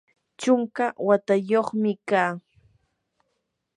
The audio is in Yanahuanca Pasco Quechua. chunka watayuqmi kaa.